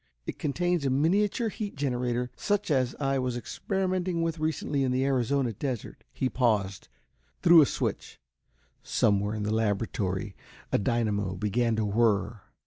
It contains a miniature heat generator such as I was experimenting with recently in the Arizona desert." He paused, threw a switch. Somewhere in the laboratory a dynamo began to whir.